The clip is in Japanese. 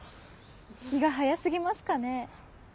気が早過ぎますかね？